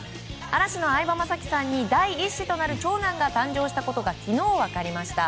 嵐の相葉雅紀さんに第１子となる長男が誕生したことが昨日、分かりました。